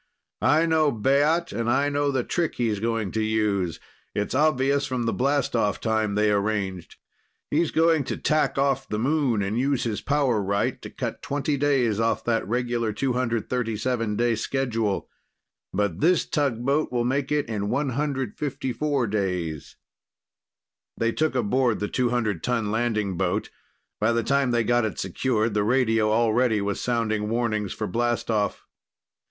I know Baat, and I know the trick he's going to use. It's obvious from the blastoff time they arranged. He's going to tack off the Moon and use his power right to cut 20 days off that regular 237 day schedule. But this tug boat will make it in 154 days!" They took aboard the 200 ton landing boat. By the time they got it secured, the radio already was sounding warnings for blastoff.